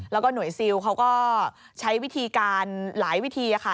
แล้วก็หน่วยซิลเขาก็ใช้วิธีการหลายวิธีค่ะ